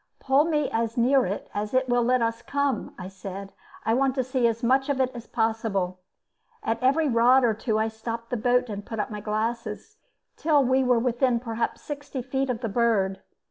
"Pull me as near it as it will let us come," I said. "I want to see as much of it as possible." At every rod or two I stopped the boat and put up my glasses, till we were within perhaps sixty feet of the bird.